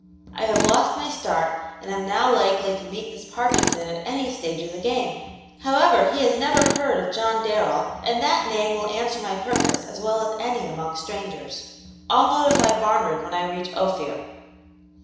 "I have lost my start and am now likely to meet this Parkinson at any stage of the game. However, he has never heard of John Darrell, and that name will answer my purpose as well as any among strangers. I'll notify Barnard when I reach Ophir."